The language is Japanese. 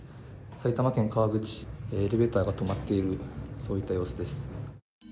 埼玉県川口市、エレベーターが止まっている様子です。